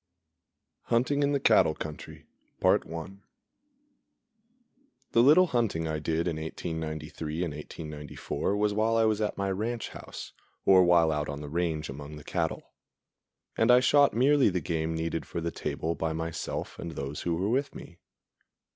_ Hunting in the Cattle Country The little hunting I did in 1893 and 1894 was while I was at my ranch house, or while out on the range among the cattle; and I shot merely the game needed for the table by myself and those who were with me.